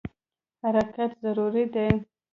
حرکت ضروري دی.